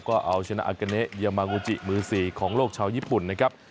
ก็เอาชนะอากาเนยามากูจิมือ๔ของโลกชาวญี่ปุ่นนะครับ